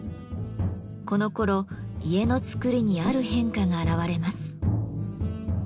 このころ家の造りにある変化があらわれます。